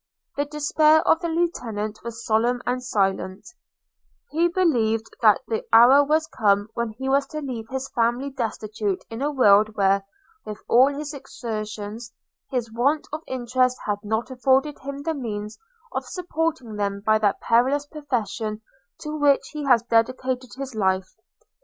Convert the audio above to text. The despair of the lieutenant was solemn and silent: – he believed that the hour was come when he was to leave his family destitute in a world where, with all his exertions, his want of interest had not afforded him the means of supporting them by that perilous profession to which he had dedicated his life.